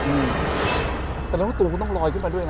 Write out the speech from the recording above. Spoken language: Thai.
อืมแต่รู้สึกตัวคุณต้องลอยขึ้นไปด้วยนะ